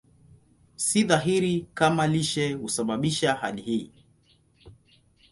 Si dhahiri kama lishe husababisha hali hii.